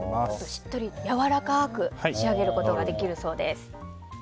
しっとりやわらかく仕上げることができるそうです。